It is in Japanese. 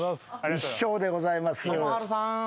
１笑でございます。